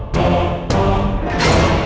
tidak ada yang bisa dipercaya